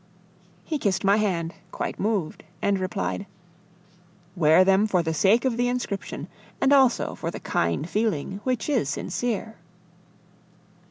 He kissed my hand, quite moved, and replied: "Wear them for the sake of the inscription, and also for the kind feeling, which is sincere."